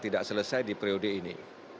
tidak selesai di periode ini